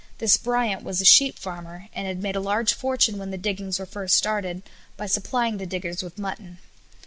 This Bryant was a sheep farmer, and had made a large fortune when the diggings were first started by supplying the diggers with mutton.